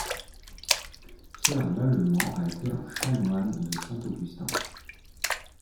Pierre Lalemant a été un chanoine de Saint-Augustin.